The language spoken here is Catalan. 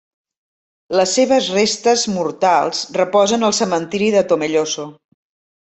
Les seves restes mortals reposen al cementiri de Tomelloso.